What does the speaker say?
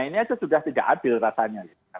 ini aja sudah tidak adil rasanya